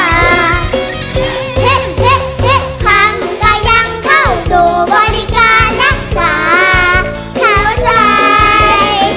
เฮ้เฮ้เฮ้คำก็ยังเข้าสู่บริการรักษาเข้าใจ